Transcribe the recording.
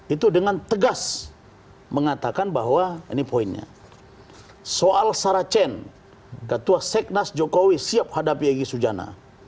itu dengan tegas mengatakan bahwa ini poinnya soal saracen ketua seknas jokowi siap hadapi egy sujana